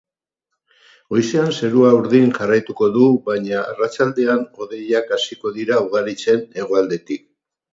Goizean zerua urdin jarraituko du, baina arratsaldean hodeiak hasiko dira ugaritzen hegoaldetik.